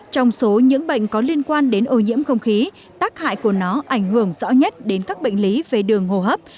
trong số những bệnh có liên quan đến ô nhiễm không khí tác hại của nó ảnh hưởng rõ nhất đến các bệnh lý về đường hô hấp